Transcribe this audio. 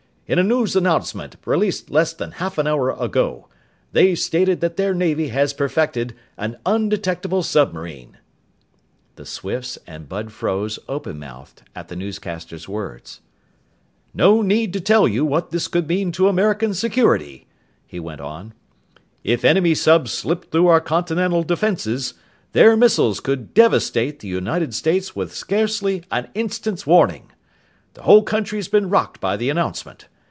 "In a news announcement released less than half an hour ago, they stated that their Navy has perfected an undetectable submarine!" The Swifts and Bud froze, openmouthed, at the newscaster's words. "No need to tell you what this could mean to American security," he went on. "If enemy subs slipped through our continental defenses, their missiles could devastate the United States with scarcely an instant's warning! The whole country's been rocked by the announcement.